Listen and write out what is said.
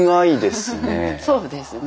そうですね。